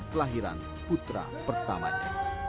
kelahiran putra pertamanya